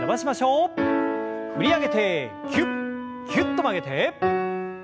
振り上げてぎゅっぎゅっと曲げて。